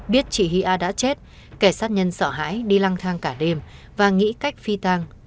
biết chị hia đã chết kẻ sát nhân sợ hãi đi lang thang cả đêm và nghĩ cách phi tang